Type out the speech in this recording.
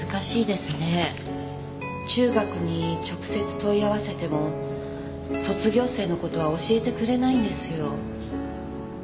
中学に直接問い合わせても卒業生の事は教えてくれないんですよ。